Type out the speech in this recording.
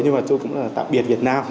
nhưng mà tôi cũng là tạm biệt việt nam